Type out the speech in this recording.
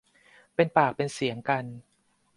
เป็นปากเป็นเสียงกัน